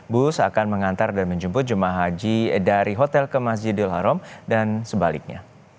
bus akan mengantar dan menjemput jemaah haji dari hotel ke masjidil haram dan sebaliknya